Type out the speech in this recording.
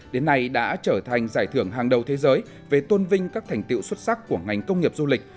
đến nay đã trở thành giải thưởng hàng đầu thế giới về tôn vinh các thành tiệu xuất sắc của ngành công nghiệp du lịch